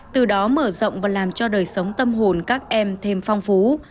từ đó mở rộng và làm cho đời sống tâm hồn các em thêm phong phú